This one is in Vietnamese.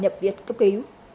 nhập viết cấp ký